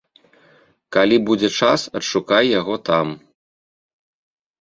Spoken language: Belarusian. Калі будзе час, адшукай яго там.